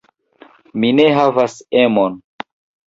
Mi ne havas emon.